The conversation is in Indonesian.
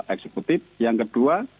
eksekutif yang kedua